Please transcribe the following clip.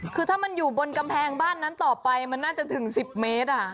คือถ้ามันอยู่บนกำแพงบ้านนั้นต่อไปมันน่าจะถึง๑๐เมตร